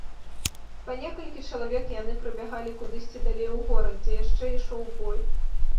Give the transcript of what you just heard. Па некалькі чалавек яны прабягалі кудысьці далей у горад, дзе яшчэ ішоў бой.